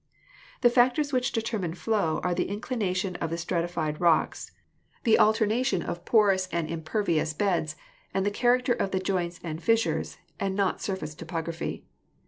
The factors which determine flow are the inclination of the stratified rocks, the alternation of porous and impervi 136 GEOLOGY ous beds, and the character of the joints and fissures and not surface topography.